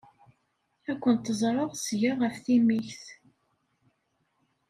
Ad kent-ẓreɣ seg-a ɣef timikt.